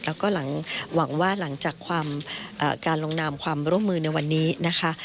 แล้วก็หวังว่าหลังจากการลงนามความร่วมมือในวันนี้นะคะ